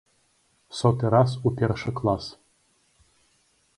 Соты раз у першы клас!